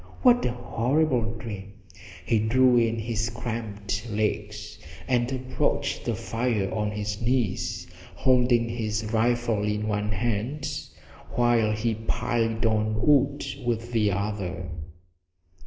What a horrible dream! He drew in his cramped legs and approached the fire on his knees, holding his rifle in one hand while he piled on wood with the other.